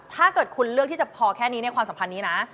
ถ้าเกิดคุณเลือกที่จะพอแค่นี้ในความสัมพันธ์นี้นะ